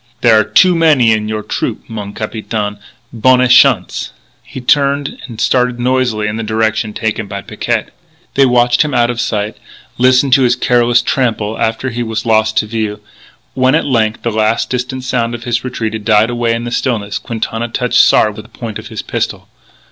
"There are too many in your trupeau, mon capitaine. Bonne chance!" He turned and started noisily in the direction taken by Picquet. They watched him out of sight; listened to his careless trample after he was lost to view. When at length the last distant sound of his retreat had died away in the stillness, Quintana touched Sard with the point of his pistol.